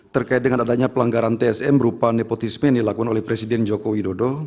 terkait dengan adanya pelanggaran tsm berupa nepotisme yang dilakukan oleh presiden joko widodo